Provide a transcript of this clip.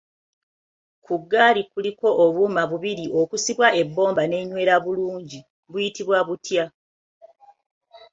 Ku ggaali kuliko obuuma bubiri okussibwa ebbombo n'enywera bulungi, buyitibwa butya?